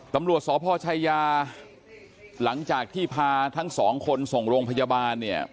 ตำรวจสพชายาหลังจากที่พาทั้งสองคนส่งโรงพยาบาลเนี่ย